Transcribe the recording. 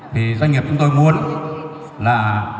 thứ nhất doanh nghiệp chúng tôi muốn là